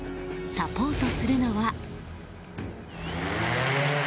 サポートするのは。